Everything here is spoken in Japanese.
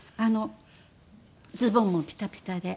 ズボンもピタピタで。